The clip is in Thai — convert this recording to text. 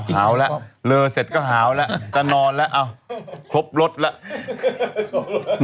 เอ้าหาวแล้วเรอเสร็จก็หาวแล้วจะนอนแล้วเอ้าครบรถแล้ว